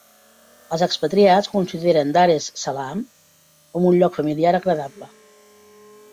Els expatriats consideren Dar es Salaam com un lloc familiar agradable.